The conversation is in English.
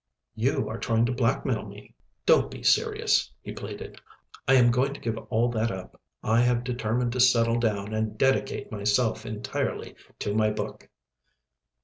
"You are trying to blackmail me." "Do be serious," he pleaded. "I am going to give all that up. I have determined to settle down and dedicate myself entirely to my book."